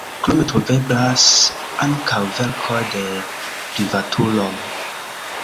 Krome troveblas ankaŭ verkoj de privatuloj.